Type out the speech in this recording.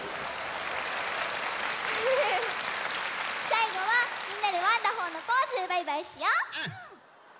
さいごはみんなで「ワンダホー！」のポーズでバイバイしよう！